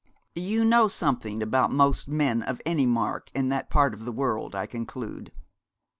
'You know something about most men of any mark in that part of the world, I conclude?'